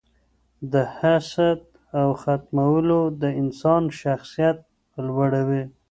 د حسد ختمول د انسان شخصیت لوړوي.